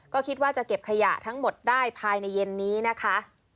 ก็คิดว่าจะเก็บขยะทั้งหมดได้ภายในเย็นนี้นะคะ